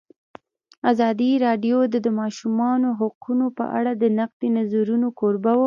ازادي راډیو د د ماشومانو حقونه په اړه د نقدي نظرونو کوربه وه.